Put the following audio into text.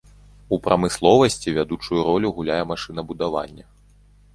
У прамысловасці вядучую ролю гуляе машынабудаванне.